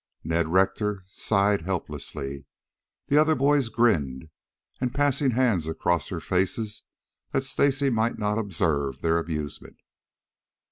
Ned Rector sighed helplessly. The other boys grinned, passing hands across their faces that Stacy might not observe their amusement.